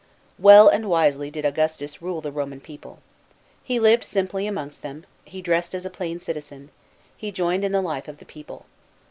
Well and wisely did Augustus rule the Roman people. He lived simply amongst them, he dressed as a plain citizen, he joined in the life of the people.